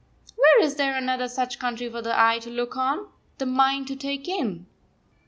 Where is there another such country for the eye to look on, the mind to take in?